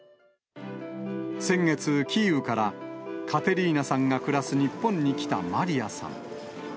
先月、キーウからカテリーナさんが暮らす日本に来たマリヤさん。